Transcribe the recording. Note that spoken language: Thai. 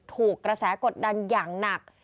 ถูกกระแสกดดันอย่างหนัก